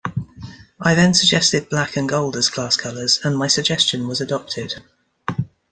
I then suggested black and gold as class colors, and my suggestion was adopted.